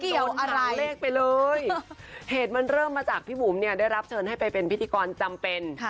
รวมมาออกเลขไปเลยเหตุมันเคยเริ่มมาจากพี่บุ๋มได้รับเชิญให้ไปเป็นพิธีกรจำเป็น